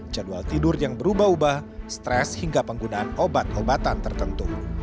jadwal tidur yang berubah ubah stres hingga penggunaan obat obatan tertentu